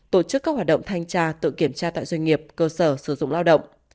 tổ chức các hoạt động thanh tra tự kiểm tra tại doanh nghiệp cơ sở sử dụng lao động